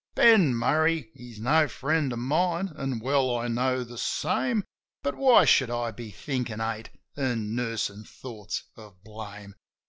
Ben Murray, he's no friend of mine, an' well I know the same; But why should I be thinkin' hate, an' nursin' thoughts of blame